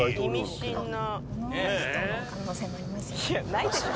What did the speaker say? ないでしょ。